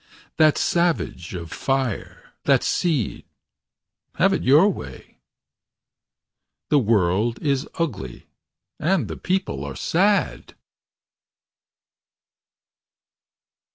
That savage of fire. That seed Have it your way. The world is ugly. And the people are sad.